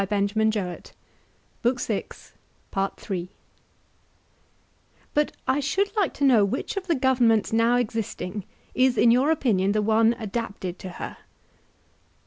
Nothing more on that subject, he replied; but I should like to know which of the governments now existing is in your opinion the one adapted to her.